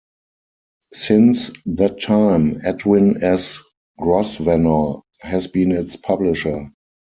Since that time, Edwin S. Grosvenor has been its publisher.